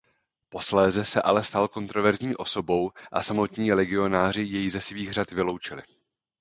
Posléze se ale stal kontroverzní osobou a samotní legionáři jej ze svých řad vyloučili.